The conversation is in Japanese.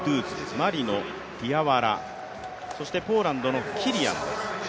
マリのディアワラ、そしてポーランドのキリヤンです。